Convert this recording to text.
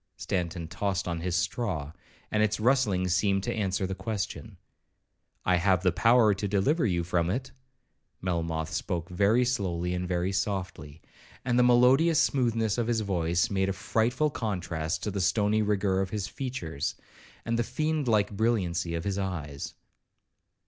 Stanton tossed on his straw, and its rustling seemed to answer the question. 'I have the power to deliver you from it.' Melmoth spoke very slowly and very softly, and the melodious smoothness of his voice made a frightful contrast to the stony rigour of his features, and the fiend like brilliancy of his eyes.